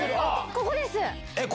ここです。